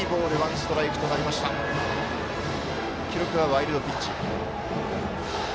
記録はワイルドピッチ。